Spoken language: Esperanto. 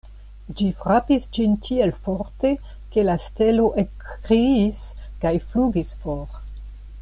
Ĝi frapis ĝin tiel forte, ke la stelo ekkriis kaj flugis for.